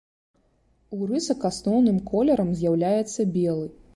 У рысак асноўным колерам з'яўляецца белы.